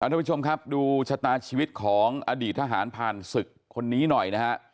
ดูสัตว์ชะดานชีวิตของอดีตทหารผ่านสึกคนนี้หน่อยนะฮะ